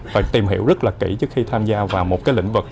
phải tìm hiểu rất là kỹ trước khi tham gia vào một cái lĩnh vực